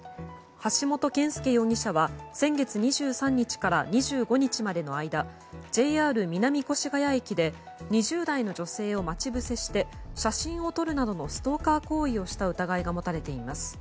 橋本憲介容疑者は先月２３日から２５日までの間ＪＲ南越谷駅で２０代の女性を待ち伏せして写真を撮るなどのストーカー行為をした疑いが持たれています。